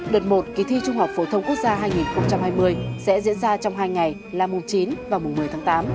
đợt một kỳ thi trung học phổ thông quốc gia hai nghìn hai mươi sẽ diễn ra trong hai ngày là mùng chín và mùng một mươi tháng tám